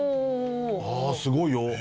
あすごいよ。